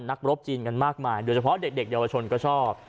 รบจีนกันมากมายโดยเฉพาะเด็กเยาวชนก็ชอบ